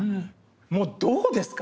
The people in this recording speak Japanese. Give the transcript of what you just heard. もうどうですか？